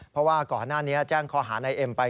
เพราะว่าก่อนหน้านี้แจ้งข้อหานายเอ็มไป